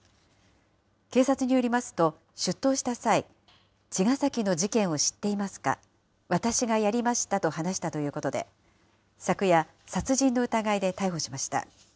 警察によりますと、出頭した際、茅ヶ崎の事件を知っていますか、私がやりましたと話したということで、昨夜、殺人の疑いで逮捕しました。